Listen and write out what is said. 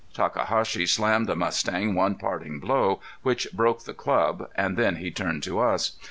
Takahashi slammed the mustang one parting blow, which broke the club, and then he turned to us.